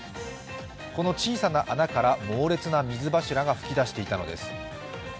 こんな小さな穴から猛烈な水柱が噴き出していたのです。